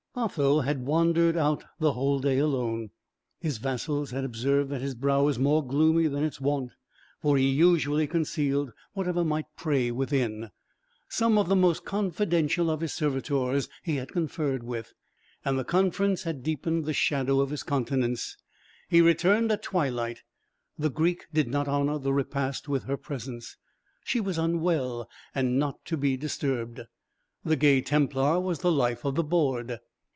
Otho had wandered out the whole day alone; his vassals had observed that his brow was more gloomy than its wont, for he usually concealed whatever might prey within. Some of the most confidential of his servitors he had conferred with, and the conference had deepened the shadow of his countenance. He returned at twilight; the Greek did not honour the repast with her presence. She was unwell, and not to be disturbed. The gay Templar was the life of the board.